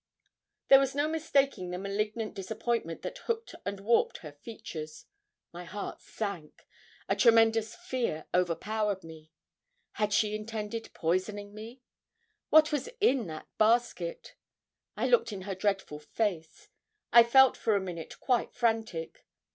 There was no mistaking the malignant disappointment that hooked and warped her features my heart sank a tremendous fear overpowered me. Had she intended poisoning me? What was in that basket? I looked in her dreadful face. I felt for a minute quite frantic.